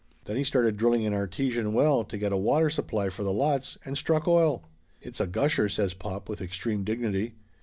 Then he started drilling an artesian well, to get a water supply for the lots, and struck oil." "It's a gusher," says pop with extreme dignity.